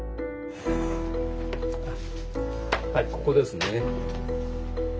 はいここですね。